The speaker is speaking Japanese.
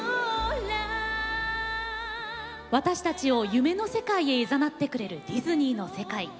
私たちを夢の世界へいざなってくれるディズニーの世界。